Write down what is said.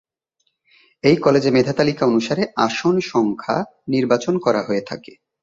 এই কলেজে মেধা তালিকা অনুসারে আসন সংখ্যা নির্বাচন করা হয়ে থাকে।